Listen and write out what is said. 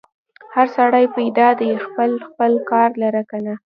هر سړی پیدا دی خپل خپل کار لره کنه.